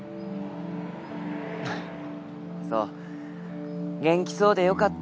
ふっそう元気そうでよかった。